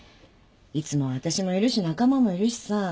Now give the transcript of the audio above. いつもは私もいるし仲間もいるしさ。